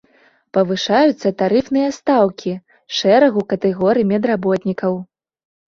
Павышаюцца тарыфныя стаўкі шэрагу катэгорый медработнікаў.